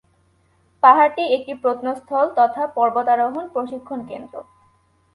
পাহাড়টি একটি প্রত্নস্থল তথা পর্বতারোহণ প্রশিক্ষণ কেন্দ্র।